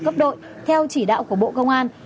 cấp đội theo chỉ đạo của bộ công an